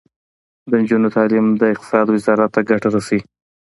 د نجونو تعلیم د اقتصاد وزارت ته ګټه رسوي.